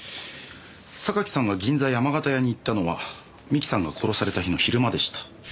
榊さんが銀座山形屋に行ったのは三木さんが殺された日の昼間でした。